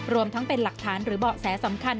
รวมทั้งเป็นหลักฐานหรือเบาะแสสำคัญ